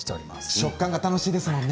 食感が楽しいですものね。